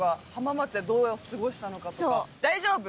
大丈夫？